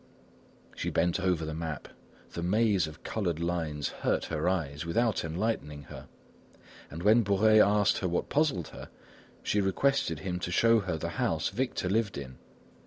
She bent over the map; the maze of coloured lines hurt her eyes without enlightening her; and when Bourais asked her what puzzled her, she requested him to show her the house Victor lived in.